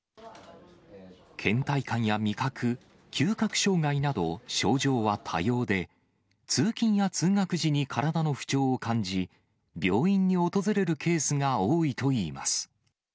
けん怠感や味覚、嗅覚障害など、症状は多様で、通勤や通学時に体の不調を感じ、病院に訪れるケースが多いといいます。